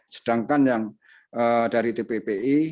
sedangkan yang dari tbbi